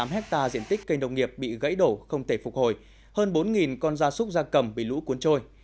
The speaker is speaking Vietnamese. một trăm tám mươi tám hectare diện tích cây nông nghiệp bị gãy đổ không thể phục hồi hơn bốn con da súc da cầm bị lũ cuốn trôi